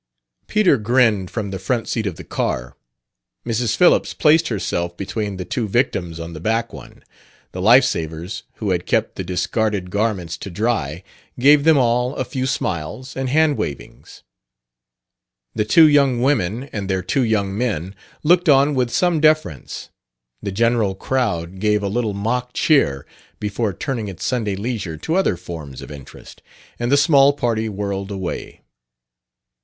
Peter grinned from the front seat of the car; Mrs. Phillips placed herself between the two victims on the back one; the life savers, who had kept the discarded garments to dry, gave them all a few smiles and hand wavings; the two young women and their two young men looked on with some deference; the general crowd gave a little mock cheer before turning its Sunday leisure to other forms of interest; and the small party whirled away.